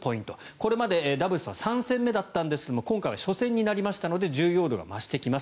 これまでダブルスは３戦目だったんですが今回は初戦になりましたので重要度が増してきます。